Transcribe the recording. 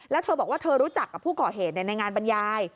แล้วเธอบอกว่าเธอรู้จักกับผู้ก่อเหตุในงานบรรยาย